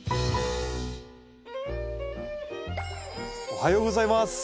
おはようございます。